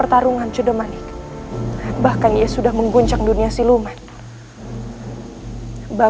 raden fusena pasti sudah mengetahui semua ini